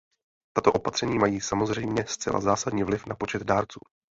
Tato opatření mají samozřejmě zcela zásadní vliv na počet dárců.